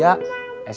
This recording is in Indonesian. aku mau cari kerja